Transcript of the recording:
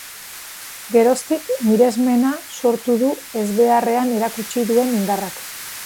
Geroztik miresmena sortu du ezbeharrean erakutsi duen indarrak.